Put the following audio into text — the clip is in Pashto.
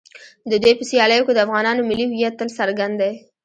د دوی په سیالیو کې د افغانانو ملي هویت تل څرګند دی.